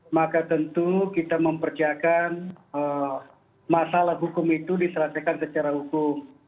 maka tentu kita mempersiapkan masalah hukum itu diselesaikan secara hukum